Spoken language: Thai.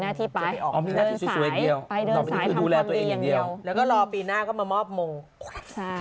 หน้าที่ปลายออกก็ให้รู้แล้วตัวเองกันเยอะแล้วก็รอปีหน้าก็มามอบมงค่ะ